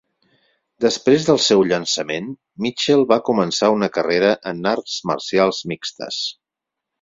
Després del seu llançament, Mitchell va començar una carrera en arts marcials mixtes.